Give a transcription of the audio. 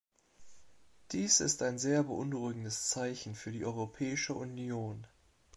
Dies ist ein sehr beunruhigendes Zeichen für die Europäische Union.